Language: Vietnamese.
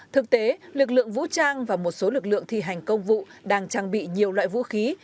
thực tế lực lượng vũ trang và một số lực lượng thi hành công vụ đang trang bị nhiều loại vũ khí